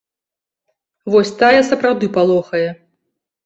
Вось тая сапраўды палохае.